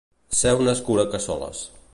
Ser un escuracassoles.